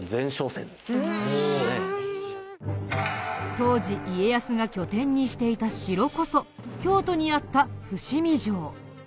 当時家康が拠点にしていた城こそ京都にあった伏見城。